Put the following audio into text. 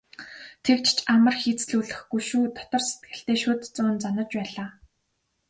"Тэгж ч амар хийцлүүлэхгүй шүү" дотор сэтгэлдээ шүд зуун занаж байлаа.